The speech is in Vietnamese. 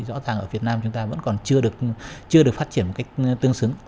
rõ ràng ở việt nam chúng ta vẫn còn chưa được phát triển một cách tương xứng